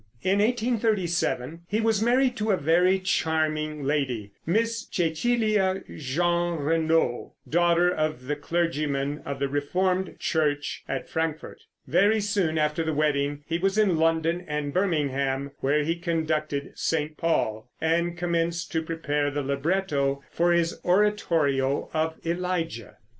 In 1837 he was married to a very charming lady Miss Cecilia Jeanrenaud, daughter of a clergyman of the Reformed Church at Frankfort. Very soon after the wedding he was in London and Birmingham, where he conducted "St. Paul" and commenced to prepare the libretto for his oratorio of "Elijah."